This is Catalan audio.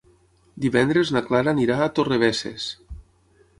Divendres na Clara anirà a Torrebesses.